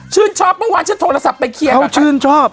ชอบเมื่อวานฉันโทรศัพท์ไปเคลียร์เขาชื่นชอบ